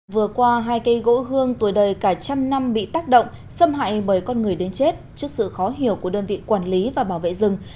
vừa qua hai cây gỗ hương tuổi đời cả trăm năm bị tác động xâm hại bởi con người đến chết trước sự khó hiểu của đơn vị quản lý và bảo vệ rừng